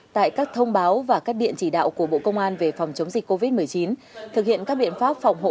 tại các thông báo và cắt điện chỉ đạo của bộ công an về phòng chống dịch covid một mươi chín thực hiện các biện pháp phòng